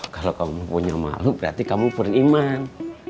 kalau kamu punya malu berarti kamu periman